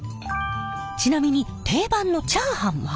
ちなみに定番のチャーハンは？